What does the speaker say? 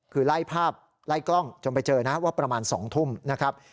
คือไล่ภาพไล่กล้องจนไปเจอนะว่าประมาณ๒ทุ่มนะครับ